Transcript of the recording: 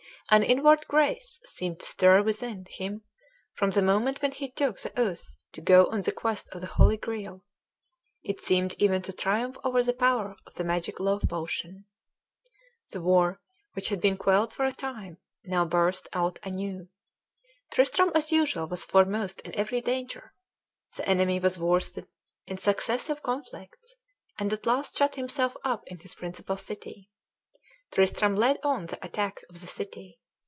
An inward grace seemed to stir within him from the moment when he took the oath to go on the quest of the Holy Greal; it seemed even to triumph over the power of the magic love potion. The war, which had been quelled for a time, now burst out anew. Tristram as usual was foremost in every danger. The enemy was worsted in successive conflicts, and at last shut himself up in his principal city. Tristram led on the attack of the city.